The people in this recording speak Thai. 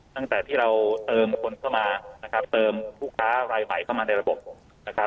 ตั้งแต่ที่เราเติมคนเข้ามานะครับเติมผู้ค้ารายใหม่เข้ามาในระบบนะครับ